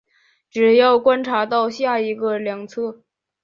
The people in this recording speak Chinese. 只要观察到下一个量测。